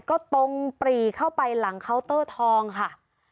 ก็ตรงปรีเข้าไปหลังเคาน์เตอร์ทองค่ะ